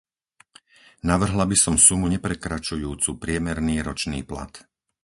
Navrhla by som sumu neprekračujúcu priemerný ročný plat.